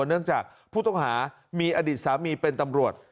เนื่องจากผู้ต้องหามีอดีตสามีเป็นตำรวจ